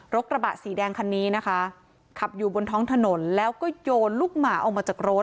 กระบะสีแดงคันนี้นะคะขับอยู่บนท้องถนนแล้วก็โยนลูกหมาออกมาจากรถ